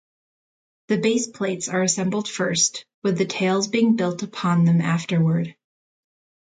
The base plates are assembled first, with the tails being built upon them afterward.